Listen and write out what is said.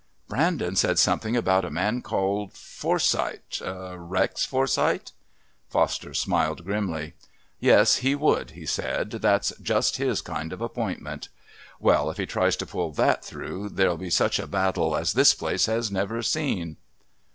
"Brandon said something about a man called Forsyth Rex Forsyth?" Foster smiled grimly. "Yes he would," he said, "that's just his kind of appointment. Well, if he tries to pull that through there'll be such a battle as this place has never seen."